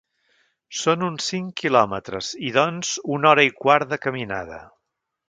Són uns cinc quilòmetres i, doncs, una hora i un quart de caminada.